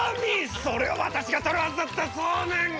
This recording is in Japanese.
それは私が取るはずだったそうめん！